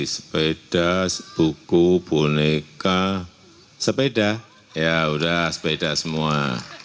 sepeda buku boneka sepeda ya udah sepeda semua